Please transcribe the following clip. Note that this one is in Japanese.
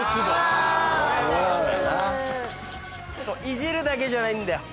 いじるだけじゃないんだよ。